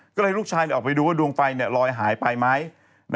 ก็เลยลูกชายออกไปดูว่าดวงไฟลอยหายไปไหม